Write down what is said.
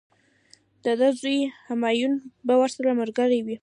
د ده زوی همایون به ورسره ملګری وي.